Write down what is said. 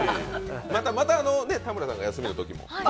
また田村さんが休みのときも。